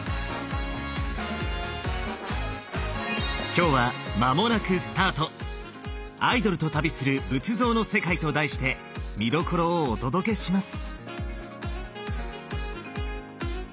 今日は「まもなくスタートアイドルと旅する仏像の世界」と題して見どころをお届けします。